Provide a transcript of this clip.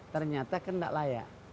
ternyata kan tidak layak